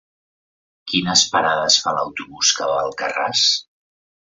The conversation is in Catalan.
Quines parades fa l'autobús que va a Alcarràs?